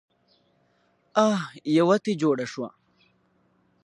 اح يوه تې جوړه شوه.